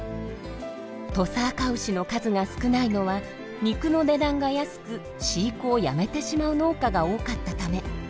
土佐あかうしの数が少ないのは肉の値段が安く飼育をやめてしまう農家が多かったため。